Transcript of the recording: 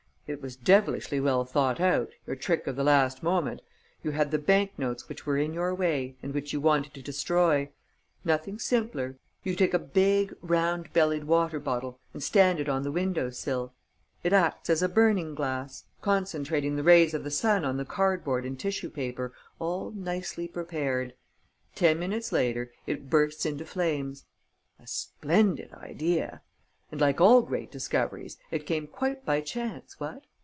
It was devilishly well thought out, your trick of the last moment. You had the bank notes which were in your way and which you wanted to destroy. Nothing simpler. You take a big, round bellied water bottle and stand it on the window sill. It acts as a burning glass, concentrating the rays of the sun on the cardboard and tissue paper, all nicely prepared. Ten minutes later, it bursts into flames. A splendid idea! And, like all great discoveries, it came quite by chance, what?